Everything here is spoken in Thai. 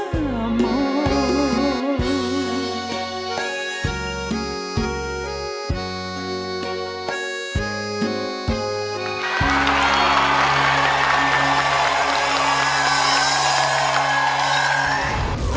กลางเมืองรุ่งเหมือนดังราชมีอำนาจเหนือใจทุกคน